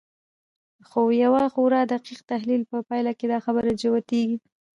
خو د يوه خورا دقيق تحليل په پايله کې دا خبره جوتېږي.